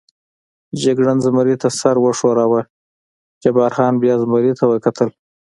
جګړن زمري ته سر و ښوراوه، جبار خان بیا زمري ته وکتل.